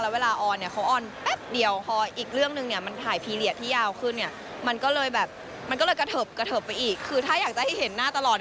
แล้วเวลาออนเนี่ยเขาออนแป๊บเดียว